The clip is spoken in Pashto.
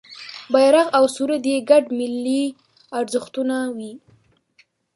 بېرغ او سرود یې ګډ ملي ارزښتونه وي.